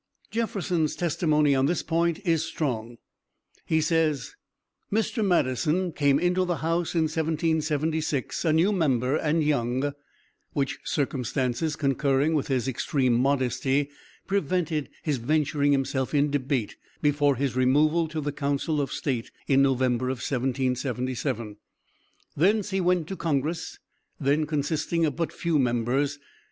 Jefferson's testimony on this point is strong: He says: "Mr. Madison came into the house in 1776, a new member, and young; which circumstances, concurring with his extreme modesty, prevented his venturing himself in debate before his removal to the council of state in November, 1777. Thence he went to Congress, then consisting of but few members.